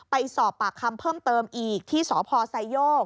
ไปสอบปากคำเพิ่มเติมอีกที่สพไซโยก